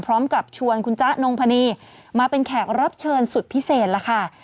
พร้อมกับชวนคุณจ๊ะนงพนีมาเป็นแขกรับเชิญสุดพิเศษล่ะค่ะ